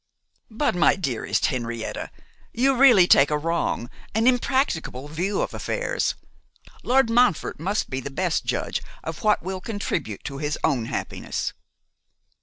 'But, my dearest Henrietta, you really take a wrong, an impracticable view of affairs. Lord Montfort must be the best judge of what will contribute to his own happiness.